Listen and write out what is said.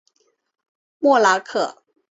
默拉克。